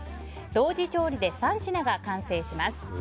同時調理で３品が完成します。